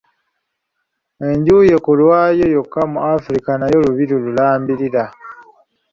Enju ye ku bwayo yokka mu Africa nayo lubiri lulambirira.